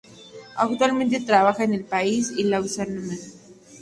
Actualmente trabaja en París y Lausanne.